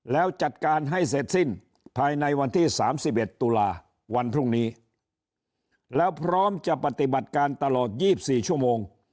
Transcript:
แล้วจัดการให้เสร็จสิ้นภายในวันที่๓๑ตุลาวันพรุ่งนี้แล้วพร้อมจะปฏิบัติการตลอด๒๔ชั่วโมง